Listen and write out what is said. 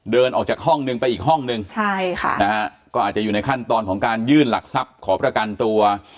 เดินออกจากห้องนึงไปอีกห้องนึงใช่ค่ะนะฮะก็อาจจะอยู่ในขั้นตอนของการยื่นหลักทรัพย์ขอประกันตัว